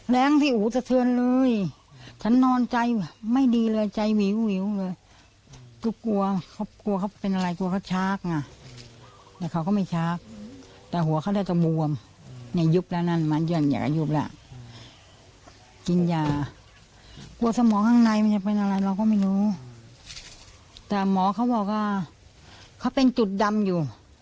แต่หมอเขาบอกว่าเขาเป็นจุดดำอยู่